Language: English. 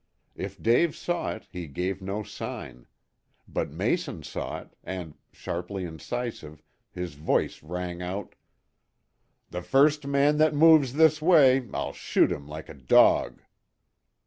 If Dave saw it he gave no sign. But Mason saw it, and, sharply incisive, his voice rang out "The first man that moves this way I'll shoot him like a dog!"